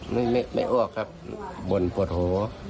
ไม่อ้วกครับบ่นปวดโห